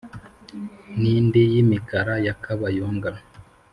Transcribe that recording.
n’indi y’imikara ya kabayonga